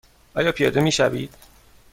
آیا پیاده می شوید؟